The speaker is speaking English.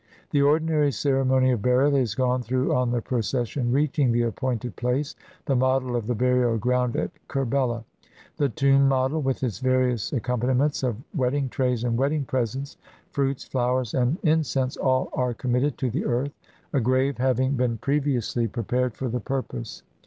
The ordinary ceremony of burial is gone through on the procession reaching the appointed place — the model of the burial ground at Kerbela. The tomb model, with its various accompaniments of wedding trays and wedding presents, — fruits, flowers, and in cense, — all are committed to the earth, a grave having been previously prepared for the purpose.